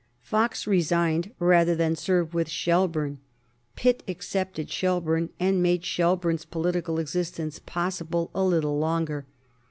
Fox resigned rather than serve with Shelburne, Pitt accepted Shelburne, and made Shelburne's political existence possible a little longer.